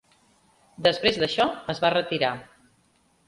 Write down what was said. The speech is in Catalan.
Després d'això es va retirar.